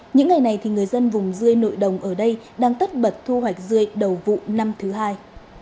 những ngày này thì người dân vùng dươi nội đồng ở đây đang tất bật thu hoạch dươi đầu vụ năm thứ hai